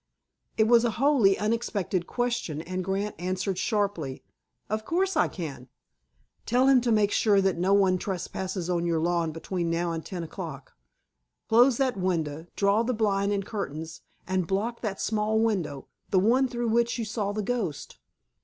It was a wholly unexpected question, and Grant answered sharply: "Of course, I can." "Tell him to make sure that no one trespasses on your lawn between now and ten o'clock. Close that window, draw the blind and curtains, and block that small window, the one through which you saw the ghost."